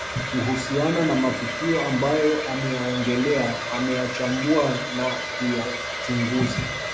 Kuhusiana na matukio ambayo ameyaongelea ameyachambua na kuyachunguza